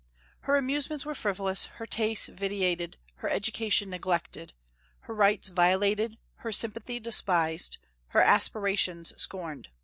Her amusements were frivolous, her taste vitiated, her education neglected, her rights violated, her sympathy despised, her aspirations scorned.